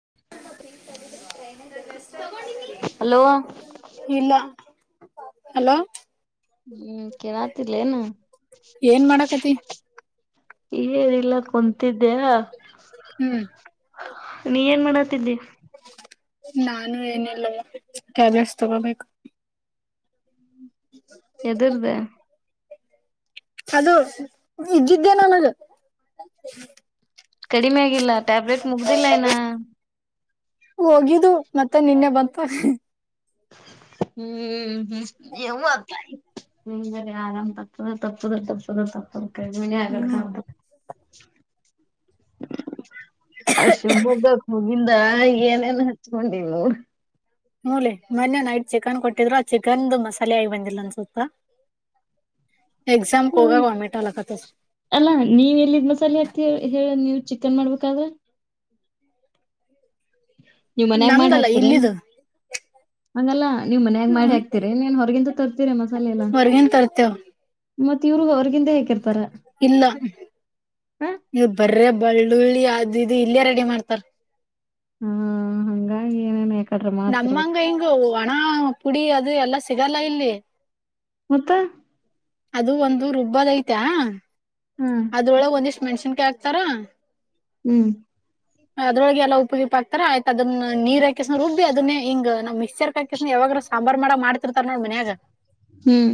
್ರ [unintelligible] hello ಇಲ್ಲ hello ಹ್ಮ್ ಕೇಳಾತಿರ್ಲ್ಲ ನು ಏನ್ ಮಾಡಾಕತಿ ಏನಿಲ್ಲ ಕುಂತಿದ್ದೀನಿ ಹ್ಮ್ ನೀ ಏನ್ ಮಾಡಾತಿದ್ದಿ ನಾನು ಏನೆಲ್ಲ ಕ್ಯಾಬಸ್ ತಗೋಬೇಕು ಎದರುದ ಅದು ಇದ್ದಿದ್ದೇ ನನಗ ಕಡಿಮೆ ಆಗಿಲ್ಲ ಟ್ಯಾಬ್ಲೆಟ್ ಮುಗ್ದಿಲ್ಲ ಇನ ಹೋಗಿದೂ ಮತ್ತೆ ನಿನ್ನೆ ಬಂತ ಹ್ಮ್ ಹ್ಮ ಎವ್ವ ತಾಯಿ ಹ್ಮ ಬರಿ ಆರಾಮ್ ತಪ್ಪದೆ ತಪ್ಪದ ತಪ್ಪದ್ರ ತಪ್ಪದ ಕಡಿಮಿ ಆಗಲ್ಲ ಹ್ಮ್ ಕಾಣುತ್ತ [inaudible] ಅ ಶುಬುಬ ಹೊಂಗಿಂದ ನ ಏನೇನು ಹಚ್ಕೊಂಡಿವು ನೋಡ ಹೂ ಲೆ ಮೊನ್ನೆ ನೈಟ್ ಚಿಕನ್ ಕೊಟ್ಟಿದ್ರು ಆ ಚಿಕನ್ದು ಮಸಾಲೆ ಆಗಿ ಬಂದಿಲ್ಲ ಅನ್ಸುತ ಹ್ಮ್ ಅಲ್ಲಾ ನೀವ ಎಲ್ಲಿದ ಮಸಾಲೆ ಹತ್ತಿ ಹೇಳ ನೀ ಚಿಕನ್ ಮಾಡ್ಬೇಕಾದ್ರ ನೀವ್ ಮನ್ಯಾಗ ನಮ್ದಲ್ಲ ಇಲ್ಲಿದು ಅಂಗಲ್ಲ ನೀವು ಮನ್ಯಾಗ ಮಾಡಿ ಹಾಕ್ತೀರಿ ಎನ್ ಹೊರ್ಗಿಂತ ತರ್ತೀರಾ ಮಸಾಲಿ ಎಲ್ಲ ಹೊರ್ಗಿನ್ ತರ್ತೇವ ಮತ್ತೆ ಇವ್ರಗ ಅವ್ರಿಗೆ ಇಲ್ಲ ಹ ನೀವು ಬರ್ರ ಬೆಳ್ಳುಳ್ಳಿ ಅದು ಇದು ಇಲ್ಲೇ ರೆಡಿ ಮಾಡ್ತಾರ ಹಾ ಹಂಗಾಗಿ ಏನೇನ್ ಯ ನಮ್ಮಂಗ ಹಿಂಗ ವಣ ಪುಡಿ ಅದು ಇದು ಎಲ್ಲ ಸಿಗಲ್ಲ ಇಲ್ಲಿ ಮತ್ತ ಅದು ಒಂದು ರುಬ್ಬದ ಐತಾ ಹಾ ಅದೊಳಗೆ ಒಂದಿಷ್ಟ ಮೆಣಸಿನ್ಕಾಯಿ ಹಾಕ್ತಾರ ಹ್ಮ್ ಅದ್ರೊಳಗೆ ಎಲ್ಲ ಉಪ್ಪಗಿಪ್ಪ ಹಾಕ್ತಾರ ಆಯ್ತ ಅದನ್ನ ನೀರ್ ಹಾಕಿಸ್ನ ರುಬ್ಬಿ ಅದನ್ನೇ ಹಿಂಗ ನಾವ್ ಮಿಕ್ಸರಕ ಹಾಕಿ ಯಾವಾಗ್ರ ಸಾಂಬಾರ್ ಮಾಡಗ ಮಾಡ್ತಿರ್ತಾರ ನೋಡ್ ಮನ್ಯಾಗ ಹ್ಮ್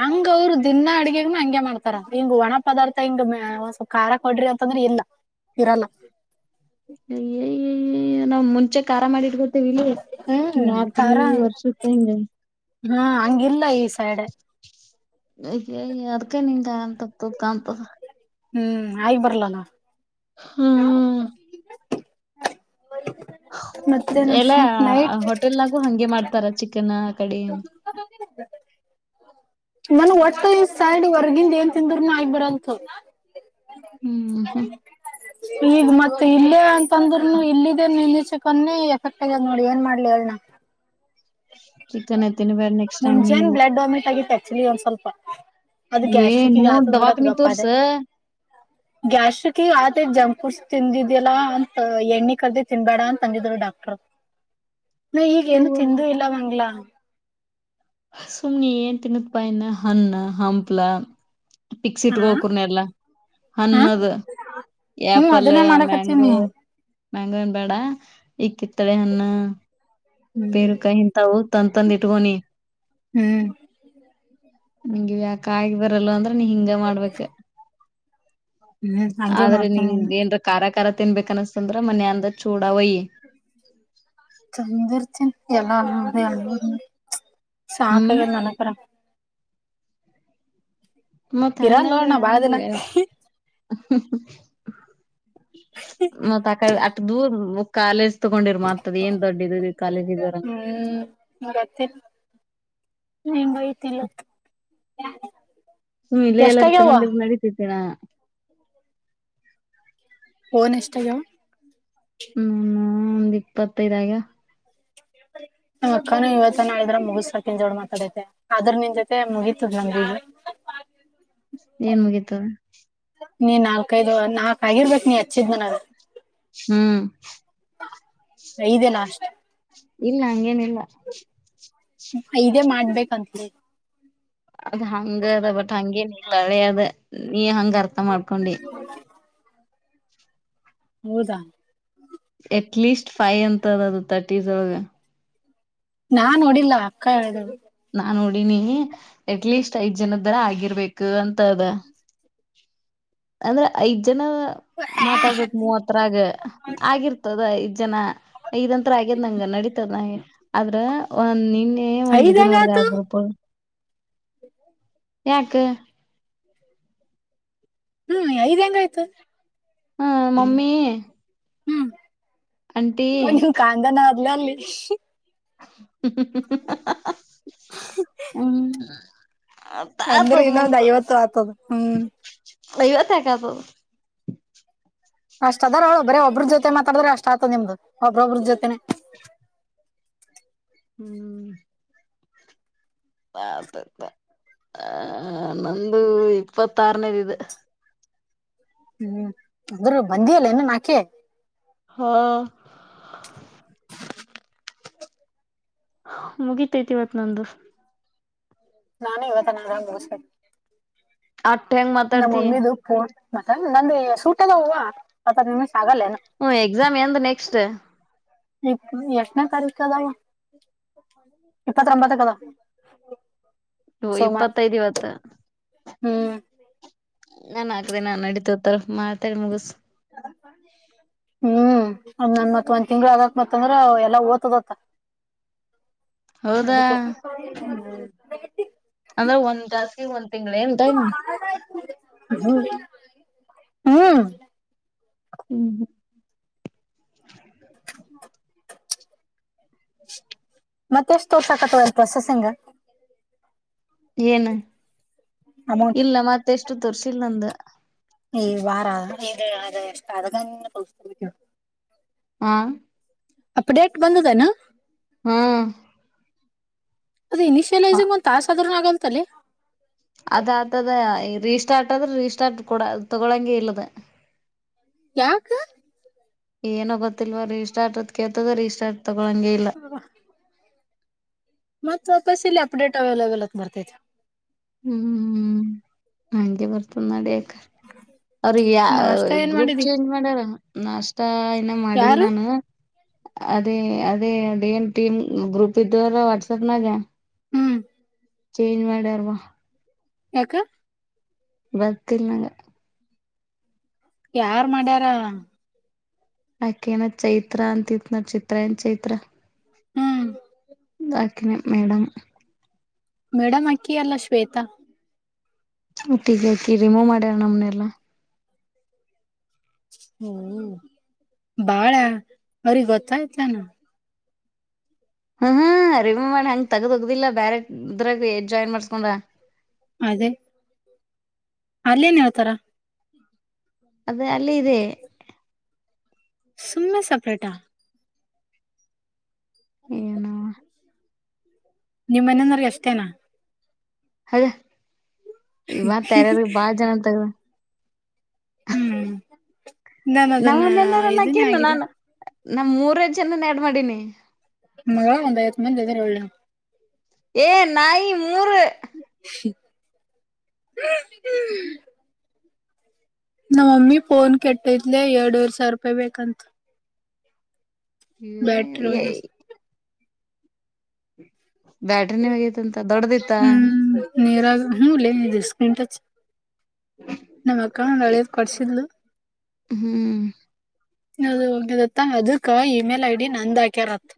ಹಂಗ ಅವ್ರು ದಿನಾ ಅಡ್ಗೆಗ್ನು ಹಂಗೆ ಮಾಡ್ತಾರ ಹಿಂಗ್ ಒಣ ಪದಾರ್ಥ ಹಿಂಗ ಸ್ವಲ್ಪ ಖಾರ ಕೊಡ್ರಿ ಅಂತಂದ್ರೆ ಇಲ್ಲ ಇರಲ್ಲ ಅಯ್ಯಯ ನಾವ್ ಮುಂಚೆ ಖಾರ ಮಾಡಿಟ್ಬೊ ಹ್ಮ್ ತರ ವರ್ಷಕ್ಕ ಹಿಂಗ ಹಾ ಹಂಗಿಲ್ಲ ಈ ಸೈಡ್ ಐ ಐ ಅದಕ ನಿನ್ಂತತ ಕಾಣಂತದ ಹ್ಮ್ ಆಯಿ ಬರ್ಲಲ್ಲ ಹ್ಮ ಮತ್ತೆ ಎಲ್ಲಾ ನಡ್ಸಿ ನೈಟ್ ಹೋಟೆಲ್ನಾಗು ಹಂಗೆ ಮಾಡ್ತಾರ ಚಿಕನ್ ಕಡೆ [unintelligible] ನನ್ ಒಟ್ಟ ಸೈಡ್ ಹೊರ್ಗಿಂದ ಏನ್ ತಿಂದ್ರನು ಆಗಬರಲ್ಲತು ಹ್ಮ್ ಹ್ಮ್ ಈಗ ಮತ್ತ ಇಲ್ಲೇ ಅಂತಂದ್ರರುನು ಇಲ್ಲಿದ್ದೇ ನಿಂದಚಕನ್ನೆ ಎಫೆಕ್ಟ್ ಆಗ್ಯದ್ ನೋಡಿ ಏನ್ ಮಾಡ್ಲಿ ಎನ ಚಿಕನ್ ಐ್ತೀನಿ ಬೇಡ ನೆಕ್ಸ್ಟ್ ಟೈಮ್ ನೀಲ್ಲಿ ಚಿಲಿ ಒಂದ್ ಸ್ವಲ್ಪ ಅದು ಏ ಗ್ಯಾಸ್ಟ್ರಿಕ್ಗ ನೋಡ್ ದವಾಖಾನಿ ತೋರ್ಸ ಗ್ಯಾಸ್ಟ್ರಿಕ್ ಆತ ಜಂಪ್ ಕುರ್ಸ್ ತಿಂದಿದ್ಯಲ್ಲಾ ಅಂತ ಎಣ್ಣಿ ಕರ್ದಿ ತಿನ್ಬೇಡ ಅಂತ ಅಂದಿದ್ರು ಡಾಕ್ಟರ್ ನ ಈಗೇಏನು ತಿಂದುೂ ಇಲ್ಲ ಮಂಗ್ಲ ಸುಮ್ನೆ ಏನ್ ತಿನ್ನತ್ ಪಾಯನ್ನ ಹಣ್ಣ ಹಂಪ್ಲ ಪಿಕ್ಸ್ ಹಾ ಇಟ್ಕೋಕರ್ನೆ ಎಲ್ಲ ಹ ಹನ್ನದ ಹ್ಮ್ ಆಪಲ್ ಅದನ್ನೇ ಮಾಡಕತ್ತೀನಿ ಮ್ಯಾಂಗೋ ಮಂಗ ಬಡ ಈ ಕಿತ್ತಲೆ ಹಣ್ಣು ಹ್ಮ್ ಪೇರು ಕ ಇತವು ತನ್ ತಂದ ಇಟ್ಕನ ಹ್ಮ್ ನಂಗಗೆ ಯಾಕ ಆಗಿ ಬರಲ್ಲ ನೀ ಹಿಂಗ ಮಾಡ್ಬೇಕ ಹ್ಮ್ ಹಂಗೆ ಆದ್ರೆ ಮಾಡ್ತೀನಿ ನಿಂಗ ಏನ್ರ ಖರ ಖರ ತಿನ್ಬೇಕು ಅನ್ಸ ಅ್ರ ಮನ ಅಂದ ಚೂ ತಂದರ್ತ ಎಲ್ಲ ಅ ಅ ಹ್ಮ್ ಸಾಖಯ ನನಪುರ ಮತ್ ಇರಲ್ ನೋಣ ಬಾಳ ದಿನ [inaudible] ಮ ತಕ ಆಟ ದ [unintelligible] ಕಾಲೇಜ್ ತಕೊಂಡಿರ್ ಮ್ತದ ಏನ್ ದೊಡ್ಡ ಕಾಲೇಜ ಇದಾರ ಹ್ಮ್ ಗೊತ್ತಿಲ್ಲ ಹ ಸುಮ್ಮಿಲೆ ಎಲ್ಲರು ತಗೊಂಡಿದ್ ನಡತಿದ್ದೇನಾ ಓನ್ ಇಷ್ಟಯ ಹ್ಮ ಒಂದ್ ಇಪ್ಪತ್ತೈದಾಗ ನಮ್ಮ್ ಅಕ್ಕಾನ ಇವತ್ತನ ಇದ್ರ ಮುಗಸಕನ್ ಜೋಳ ಮಾತಾಡತೆ ಆದ್ರ ನಿನ್ ಜೊತೆ ಮುಗೀತದ ನಮ್ಗೆಗ ಏನ್ ಮುಗೀತು ನೀ ನಾಲ್ಕೈದು ನಾಲ್ಕ್ ಆಗಿರ್ಬೇಕಕ್ ನೀ ಹಚ್ಚಿದ್ ಮನ ಹ್ಮ್ ಇದೇ ನ ಅಷ್ಟ ಇಲ್ಲ ಹಂಗೇನಿಲ್ಲ [inaudible] ಇದೇ ಮಾಡ್ಬೇಕಂತ ಹೇಳಿಿ ಅದ್ ಹಂಗ ಅದ ಬಟ್ ಹಂಗೇನ ಒಳೆಯದು ನೀ ಹ ಅರ್ಥ ಮಾಡ್ಕೊಂಡಿ ಹೌದಾ ಎ ಅಟ್ ಲೀಸ್ಟ್ ಫೈ್ ಅಂತದ ಅದು ತರ್ಟೀಸ್ ಒಳಗೆ ನಾನ್ ನೋಡಿಲ್ಲ ಅಕ್ಕ ಹೇಳಿದರು ನಾ ನೋಡಿನಿ ಎಟ್ಲೀಸ್ಟ್ ಐದ್ ಜನದ ದರ ಆಗಿರ್ಬೇಕು ಅಂತ ಅದ ಅಂದ್ರೆ ಐದ್ ಜನ ಮಾತಾಡ್ಬೇಕಕ್ ಮೂವತ್ರರಾಗ ಆಗಿರ್ತದ ಇದ್ ಜನ ಇದಂತ್ರ ಆಗ್ಯದ್ ನಂಗ ನಡೀತದ ನ ಆದ್ರ ಒ ನಿನ್ ಹಯದು ಇದು ನೋಡ್ದ ಆ ಗ್ರೂಪಲ್ ಯಕ ಹ್ಮ್ ಐದ್ ಹೆಂಗ ಆಯ್ತು ಹ್ಮ ಮಮ್ಮಿ ಆಂಟಿ ಒ ಕಾಂದ ನ ನನ್ನ ಹ ಹ್ಮ್ ಅಂದ್ರೆ ಆತದ ಇನ್ನೊಂದು್ ಐವತ್ತು ಆಗ್ತದ ಹ್ಮ್ ಯವತಕಬ ಅಷ್ಟ ಅದಾರ ಅವ ಬರೀ ಒಬ್ರ ಜೊತೆ ಮಾತಾಡಿದ್ರೆ ಅಷ್ಟ ಆತ ನಿಮ್ದು ಒಬ್ಬ್ರೊಬ್ರದ ಜೊತೆನೆ ಹ್ಮ್ ಆತ ಆತ ಆ ನಂದು ಇಪ್ಪತ್ತಾರನೇದ ಇಿದೆ ಹ್ಮ್ ಅಂದ್ರೂ ಬಂದಿಯಲ್ಲ ನು ನಾಕೆ ಹಾ ಮುಗ ತತಿವತ್ತು ನಂದು ನಾನೇ ಇವತ್ತ ನ ಆರಾಮ್ ಬೋಗಸ್ತ ಆ ಠೆಂಗ ಮತಡ್ತಿ ಮತ್ತ ನಂದ ಸೂಟೆನ ಹೂವ ಮ ನಿಮ ಹ್ಮ ಎಕ್ಸಾಮ್ ಎಂತ ನೆಕ್ಸ್ಟ್್ ಇ ಎಷ್ಟನೇ ತಾರೀಕ್ ಅದಾವ ಇಪ್ಪತ್ಂಬತ್ತದಾವ ಇಪ್ಪತ್ತೈದು್ ಇವತ್ತು ಹ್ಮ್ ನಾನ್ ಹಾಕ್ದ ನು ನಡಿತೋತಾರ ಮಾತಾಡಿ ಮುಗಿಸಸು ಹ್ಮ್ ಒ ನನ್ ಮತ್ ಒಂದ್ ತಿಂಗ್ಳ ಅದತ್ ಮತ್ತಂದ್ರ ಎಲ್ಲಾ ಓದತದತ್ತ ಹೌದಾ ಅದಕ್ಕೆ ಹ್ಮ ಮಟ್ಟ ಅದ್ರ ಒಟ ಒಂದ ತಿಗಳ ನ್ ಟೈಮ್ ಹ್ಮ್ ಹ್ಮ್ ಹ್ಮ್ ಹ್ಮ ಮತ್ತೆಷ್ಟು ತೋಷಕ ತಗತ ಸಸಂಗ ಏನು ಅಮೌಂಟ್ ಇಲ್ಲ ಮತ್ತೆಷ್ಟು ತೊರ್ಸಿಲ್ ನಂದ ಹ ಇ ಅದೇಷ್ಟಾದಕ ಪ್ರಸ್ತ ಹಾ ಅಪಡಟ್ ಬಂದದನಾ ಹ್ಮ ಅದು ಇನಿಿಯೈಂಗ ಒಂದ ತ ನಾಗಂತಲ್ಲಿ ಅದ್ತದ ರೀಸ್್ಟಾರ್ಟ್ ಆದ್ರೆ ರೀಸ್್ಟಾರ್ಟ್ ಕೊಡ ತಗೊಳಂಂಗಗೆ ಇಲ್ಲದ ಯಾಕ ಏನ ಗೊತ್ತಿಲ್ವಾ ರಿಸ್ಟಾರ್ಟ ಅದ್ ಕೇಳ್ತದ ರಿಸ್ಟಾರ್ಟ್ ತಗಳಂಗೇ ಇಲ್ಲ ಮತ್ತತ್ ವಪಸ್ ಇಲ್ಲಿ ಅಪ್ಡೇಟ್ ಅವೈಲಬಲ್ ಆತ್ ಬರ್ತೈತೆ ಹ್ಮ್ ಅಂಗೆ ಬರತ ನಡ ಅವ್ರಿಗೆ ಯ ನಾಷ್ಟ ಏನ್ ಗ್ರೂಪ್ ಮಾಡಿದಿ ಚೇಂಜ್ ಮಾಡ್ಯಾರ ನಾಷ್ಟತಾ ಇನ್ನ ಮಾಡಿಲ್ ಯಾರು ನಾನು ಅದೇ ಅದೇ ಅದೇ ಏನ್ ಟೀಮ್ ಗ್ರೂಪ್ ಇದ್ದವರ ವಾಟ್ಸಪ್ನಾಗ ಹ್ಮ್ ಚೇಂಜ್ ಮಾಡ್ಯಾರವಾ ಯಕ ಬತ್ತರ್ ನಾಗ ಯಾರ್ ಮಾಡ್ಯಾರ ಅಾಕ ನ ಚೈತ್ರ ಅಂತಿತ್ ನೋ ಚಿತ್ರ ಏನ್ ಚೈತ್ರ ಹ್ಮ್ ಆಾಕನ ಮೇಡಮ ಮೇಡಮ್ ಅಕ್ಕಿ ಎಲ್ಲ ಶ್ವೇತಾ ಗ ಆಕಿ ರಿಮೂವ್ ಮಾಡ್ಯಾರ ನಮ್ನೆಲ್ಲಾ ಹ್ಮ ಬಾಳ ಅವ್ರ ಗೊತ್ತಾಯ್ತಾನ ಹ್ಮ್ ಹ್ಮ ರಿಮೂವ್ ಮಾಡಿ ಹಂಗ್ ತಗ್ದ್ಗ್ದಿಲ್ಲ ಬ್ಯರೆ ಇದ್ರಾಗ ಜಾಯ್ನ್ ಮಾಡಸ್ಕೊಂಡ ಅದೇ ಅಲ್ಲೇನ್ ಹೇಳ್ತಾರ ಅದ ಅಲ್ಲಿ ಇದೆ ಸುಮ್ಮೆ ಸಪ್ರಟ ಏನ ನಿಮ್ಮ ಮನೆಯನ್ರ ಎಷ್ಟೇನಾ ಅದ ಇವತ್ಾರಾರ ಬಾಳ ಜನ ಅಂತಾರ ಹ್ಮ್ ನಾನು ಅದನ್ನ ಇದನೇ ನಮ್ಮನ್ನೆಲ್ಲರನ್ನಾಕೇನು ಆಗಿಲ್ಲ ನಾನು ನಮ್ ಮೂರ್ ಜನ ನಡ್ ಮಾಡೀಿನಿ ಮ ಒಂದ್ ಐವತ್ ಮಂದಿ ಇದಾರೆ ಒಳ್ಳೆ ಎ ನಾಯ ಹ [inaudible] ಹ ನಮ್ಮಮ್ಮಿ ಪಫೋನ್ ಕೆಟ್ಟಿದ್ಲೆ ಎರಡ್ೂರ್ ಸಾವಿರ ರೂಪಾಯಿ ಬೇಕಂತ ಹ್ಮ್ ಬ್ಯಾಟ್ರಿ ಎ ಹೋಗಿ ಬ್ಯಾಟ್ರಿ ನೀ ಹಗೈತಿಂತ ದೊಡ್ಡದ ಇತ್ತ ಹುನ್ಲೆ ಸ್ಕ್ರೀನ್ ಟಚ್ ನಮ್ಮ್ ಅಕ್ಕ ಒಳೆದ ಕೊಡ್ಸಲ್ಲು ಹ್ಮ್ ಅದು ಹೋಗದತ್ತ ಅದಕ್ಕ ಇಮೇಲ್ ಐ ಡಿ ನಂದ್ ಹಾಕ್ಯಾರತ್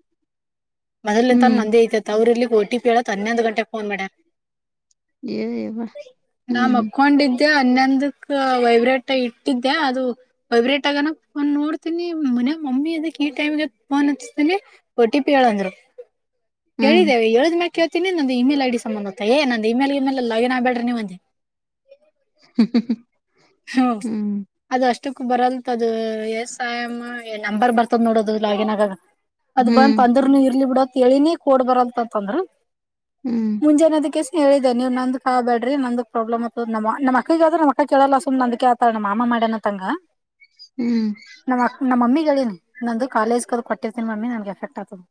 ಮೊದಲ ಎಂತ ಹ್ಮ್ ಮಂದೆ ಐತೆತೆ ಅವ್ರಲ್ಲಿ ಓಟಿ ಪಿ ಹೇಳಳತ್ ಹನ್ನೊಂದು ಗಂಟೆಗೆ ಫೋನ್ ಮಾಡ್ಯ ಎವ ಹ್ಮ್ ಮಕ್ಕೊಂಡಿದ್ದೆ ಹನ್ನೊಂದಕ್ಕ ವೈಬ್ರೇಟ್ ಇಟ್ಟಿದ್ದೆ ಅದು ವೈಬ್ರೇಟ್ ಆಗಾನ ಒನ್ ನೋಡ್ತೀನಿ ಮನ ಮಮ್ಮಿ ಅದಕ್ ಈ ಟೈಮ್ಗೆ ೋನ್ ಹಚ್ತನಿ ಒ ಟಿ ಪಿ ಹೇಳಂದ್ರು ಹ್ಮ್ ಹೇಳಿದ್ದೇವೆಏ್ದ ಮ ಕೇಳ್ತೀನಿ ನಂದು ಇಮೇಲ್ ಐ ಡಿ ಸಂಬಧಾ ಏ ನಂದು ಇಮೇಲ್ ಇಮೇಲ್ಲ ಲಾಗಿನ್ ಆಗ್ಬೇ್ರ ನೀವ ಅಂದೇ [inaudible] ಹ್ಮ ಹ್ಮ್ ಅದಷ್ಟೇ ಕ್ಕ ಬರಲ್ತ್ ಅದು ಎಸ್ ಸಾಯಮ್ಮ ನಂಬರ್ ಬರ್ತದ ನೋಡದು ಲಾಗಿನ್ ಆಗ ಅದ ಬಂದತ್ ಹ್ಮ್ ಅಂದ್ರನು ಇರ್ಲಿ ಬಿಡತ್ ತಿಳಿನಿ ಕ ಕೊಡ್ ಬರಂತತ್ಂದ್ರ ಹ್ಮ್ ಮುಂಜಾನದಕ್ಕೆ ಹೇಳಿದೆ ನೀವು ನಂದು ಕ ಬ್ಯಾಡ್ರ ನಂದುಗ್ ಪ್ರಾಬ್ಲಮ್ ಅದ ನಮ್ಮ ನಮ್ಮ ಅಕ್ಕಗ ಆದ್ರ ನಮ್ಮ ಕೇಳಲ್ಲ ಸುಮ್ ನಂದಕೆ ಆಳ್ತಾಣ್ಣ ಮಾಮ ಮಾಡ್ಯನ ತಂಗ ಹ್ಮ್ ನಮ್ಮ್ ಅ ನಮ್ಮ ಮಮ್ಮಿಗಳೇನು ನಂದು ಕಾಲೇಜ್ ಕದ ಕೊಟ್ಟಿರ್ತೀನಿ ಮಮ್ಮಿ ನನ್ಗೆ ಎಫೆಕ್ಟ್ ಆಗ್ತದ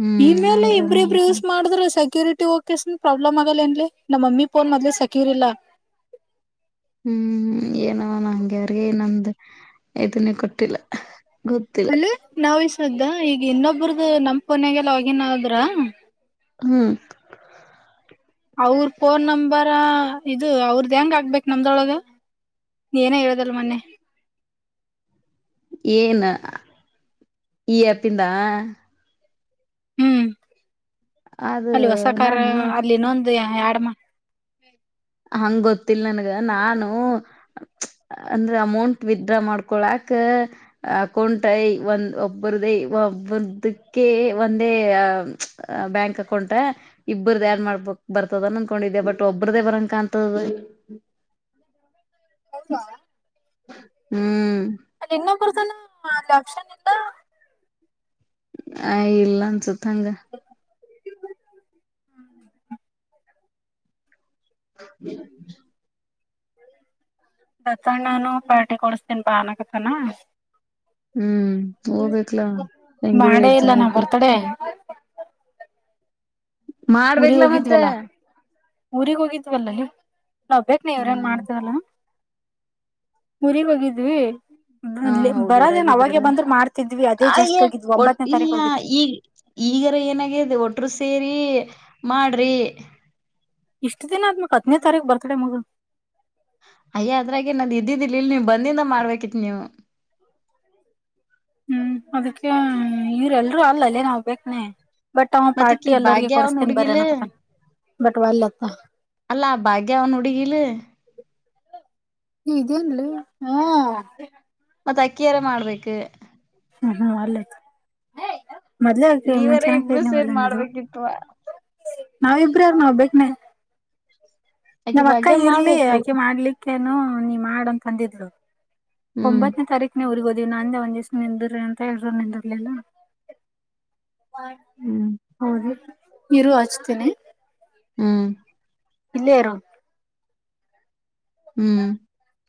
ಹ್ಮ್ ಇಮೇಲೆ ಅಂದ್ರೆ ಇಬ್ರ ಇಬ್ರು ಅಂತ ಯೂಸ್ ಮಾಡಿದ್ರೆ ಸಾಕ್ತಿ ಸಕ್ಯೂರಿಟಿ ಓಕನ್ ಪ್ರಾಬ್ಲಮ್ ಆಗಲ್ಲ ಎನ್ಲಿ ನಮ್ಮ ಮಮ್ಮಿ ಫೋನ್ ಮೊದ್ಲಿ ಸೆಕ್ಯೂರ್ ಇಲ್ಲ ಹ್ಮ್ ಏನ ನಂಗೆ ಯ್ರಿಗೆ ನಂದ್ದ ಈದನ್ನೇ ಕೊಟ್ಟಿಲ್ಲ... ಗೋತ್ತಿಲ್ಲ? ಅದಾ ಈಗ ಇನ್ನೊಬ್ರದು ನಮ್ ಫೋನ್ ನಗೆ ಲಾಗಿನ್ ಅದ್ರ. ಹ್ಮ್ ಅವ್ರ ಫೋನ್ ನಂಬರ ಇದು ಅವ್ರದ ಹೆಂಗ್ ಆಗ್ಬೇಕ ನಮ್ದೊಳಗ ಏನೇ ಹೇಳುದಲ್ ಮೊನ್ನೆ ಏನ ಈ ಅಪ್ಪಿಂದ ಹ್ಮ್ ಅದು ಅಲ್ಲಿ ಹೊಸ ಕಾರ ನಾನು ಅಲ್ಲಿ ಇನ್ನೊಂದು ಅದ ಯಡಮ ಹಂಗ್ ಗೊತ್ತಿಲ್ಲ ನನ್ಗ ನಾನು ಅಂದ್ರೆ ಅಮೌಂಟ್ ವಿತ್ಡ್ರಾ ಮಾಡ್ಕೊಳಾಕ್ ಅಕೌಂಟ್ಐ ಒಂದ್ ಒಬ್ಬರ್ದೇ ಒಬರ್ದಕ್ಕೆ ಒಂದೇ ಬ್ಯಾಂಕ್ ಅಕೌಂಟ್ ಇಬ್ಬ್ರ ಆಡ್ ಮಾಡ್ಬಕ್ ಬರ್ತದ ಅನ್ಕೊಂಡಿದೆ ಬಟ್ ಒಬ್ರ್ದೇ ಬರ ಕಾಂತ ಹ್ಮಇನಾಡಿಬಲ್ ಹ್ಮ್..... ಇನ್ನೊ ಪರ್ಸನ ಲಕ್ಷನ್ಲ್ ಆನ್ ಇಂಟೆಜಿಬಲ್ ಆ ಇಲ್ಲ ಅನ್ಸತ್ ತಂಗ ಹ್ಮ ಇನಾಡಿಬಲ್ ದತ್ತಣ ನಾನು ಪಾರ್ಟಿ ಕೊಡಸ್ತೀನಿ, ಬಾ ಅನಕತನ. ಹ್ಮ್ ಹೋಗ್ಬೇಕ್ಲಾ ಹೆಂಗಿದ್ರು ಮಾಡೇ ಇಲ್ಲ ಎಕ್ಸಾಮ್ ನಾ ಇರ್ತಾತೇ. ಬರ್ತಡೆ ಊರಿಗ್ ಮಾಡ್ಬೇಕಲ, ಮತ್ತೆ? ಹೋಗಿದ್ವಲ್ಲ ಊರಿಗ್ ಹೋಗಿದವಲ ಅಲ್ಲಿ ನಾವ್ ಬೇಕ್ ಹ್ಮ ನೀವ್ರೇನ್ ಮಾಡ್ತವಲ್ಲಾ ಊರಿಗ್ ಹೋಗಿದ್ವಿ ಹಾ ಬರೋದೇನ್ ಅವಾಗೆ ಹೌದುರಾಗಿದ್ರಲ್ಲ ಬಂದ್ರ ಮಾಡ್ತಿದ್ವಿ ಅದೇ ಆ ಜಸ್ಟ್ ಹೋಗಿದ್ವಿ ಒಂಬತ್ತನೇ ಇಲ್ಲ ತಾರೀಕು ಹೋಗಿದ್ವಿ ಈ ಈಗಾರ ಏನ್ಯಾಗಿದೆ ಒಟ್ರು ಸೇರಿ ಮಾಡ್ರಿ ಇಷ್ಟ ದಿನ ಆದ್ಮಕ್ ಹತ್ತ್ ತಾರೀಕ ಬರ್ತ ಡೇ ಮಾಡ್ ಅಯ್ಯ ಅದ್ರಾಗೆ ನಂದ್ ಇದ್ದಿಲ್ಲ ನೀವ್ ಬಂದಿಂದ ಮಾಡ್ಬೇಕಿತ್ ನೀವು ಹ್ಮ್ ಅದಕ್ಕೆ ಇವ್ರಲ್ರೂ ಅಲ್ಲಲ್ಲೇ ನವ್ಬಕೆನೇ ಬಟ್ ಅವ ಮತ್ತಕಿ ಪಾರ್ಟಿ ಎಲ್ಲರಿಗೆ ಭಾಗ್ಯ ಅವನ್ ಕೊಡಸ್ತೀನ್ ಬರ್ರೇ ಹುಡ್ಗಿಲ್ ಅಂಕತನ ಬಂಟವಾಲ್ ಲತಾ ಅಲ್ಲಾ ಭಾಗ್ಯ ಅವನ್ ಹುಡುಗಿಲ ಇದೇನ್ ಲೇ ಹಾ ಮತ್ತ್ ಅಕಿಯಾರ ಮಾಡ್ಬೇಕು? ಹ್ಮ್ ಹ್ಮ್ ಅಲ್ಲತ ಮೊದ್ಲ ಆಕ ನೀವರ ಇಬ್ರು ಮುಂಚೆನನವಲ್ಲ ಸೇರ್ ನೀದು ಮಾಡ್ಬೇಕಿತ್ವಾ [unintelligible] ನಾವ ಇಬ್ರ ನಾವ್ ಬೇಗ್ನೆ ಅಕಿ ನಮ್ಮ್ ಅಕ್ಕ ಭಾಗ್ಯ ಇರ್ಲಿ ಮಾಡ್ಬೇಕು ಯಾಕೆ ಮಾಡ್ಲಿಕ್ಕೆ ಮತ್ತೇನು ನೀ ಮಾಡ ಅಂತ ಅಂದಿದ್ಲು ಹ್ಮ್ ಒಂಬತ್ತನೇ ತಾರೀಕು! ನೀವು ಊರಿಗೆ, ಹೋದ್ದು? [inaudible] ನಾವೇ ಒಂದ್ ದಿವಸ! ನಿಂತ್ರಿ ಅಂತ ಹೇಳರು ನಿಂತಿರ್ಲಿಲ್ಲ? [inaudible] ಹಾ, ಹ್ಮ್ ಹೌದ. [inaudible] ಇರು ಹಾಚುತ್ತೀನಿ? [inaudible] ಹ್ಮ್... [inaudible] ಇಲ್ಲೇ ಇರು. [inaudible] ಹ್ಮ್.. [inaudible]